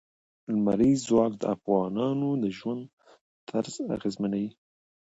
لمریز ځواک د افغانانو د ژوند طرز اغېزمنوي.